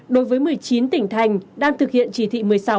đối với một mươi chín tỉnh thành đang thực hiện chỉ thị một mươi sáu